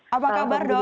apa kabar dok